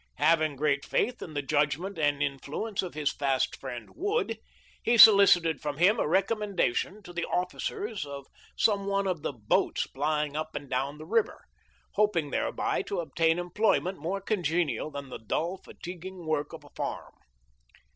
Having great faith in the judg ment and influence of his fast friend Wood, he solicited from him a recommendation to the officers of some one of the boats plying up and down the river, hoping thereby to obtain employment more congenial than the dull, fatiguing work of the farm.